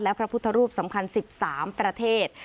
และพระพุทธรูปสำคัญ๑๓ประเทศ